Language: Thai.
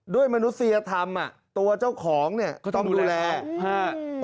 มนุษยธรรมอ่ะตัวเจ้าของเนี่ยก็ต้องดูแลฮะ